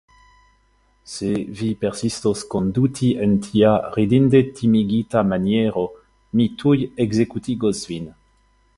Se vi persistos konduti en tia ridinde timigita maniero, mi tuj ekzekutigos vin.